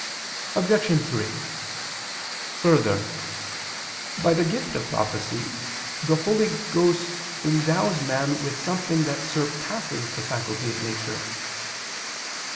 Obj. 3: Further, by the gift of prophecy the Holy Ghost endows man with something that surpasses the faculty of nature.